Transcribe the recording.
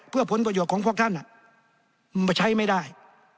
เพื่อผลประโยชน์ของพวกท่านมันใช้ไม่ได้